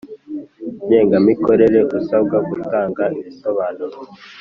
Ngengamikorere usabwa gutanga ibisobanuro